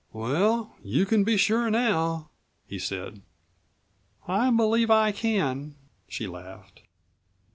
"Well, you c'n be sure now," he said. "I believe I can," she laughed.